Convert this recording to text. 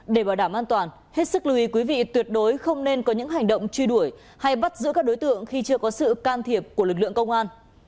để bảo đảm an toàn hết sức lưu ý quý vị tuyệt đối không nên có những hành động truy đuổi hay bắt giữ các đối tượng khi chưa có sự can thiệp của lực lượng công an